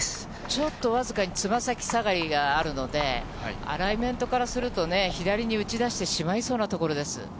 ちょっと僅かにつま先下がりがあるので、アライメントからするとね、左に打ち出してしまいそうな所です。